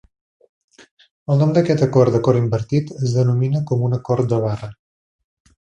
El nom d'aquest acord d'acord invertit es denomina com un acord de barra.